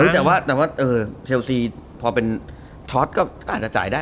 แต่ว่าเชลซีพอเป็นท็อตก็อาจจะจ่ายได้